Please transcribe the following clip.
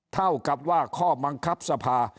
เท่ากับว่าข้อบังคับสภา